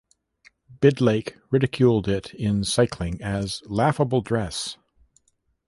Bidlake ridiculed it in Cycling as Laughable Dress.